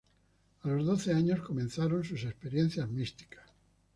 A los doce años comenzaron sus experiencias místicas.